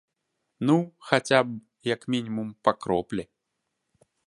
Ну, хаця б, як мінімум, па кроплі.